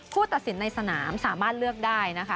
ตัดสินในสนามสามารถเลือกได้นะคะ